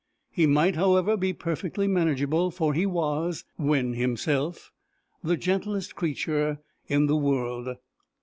He might, however, be perfectly manageable, for he was, when himself, the gentlest creature in the world!